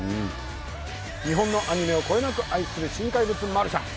日本のアニメをこよなく愛する新怪物マルシャン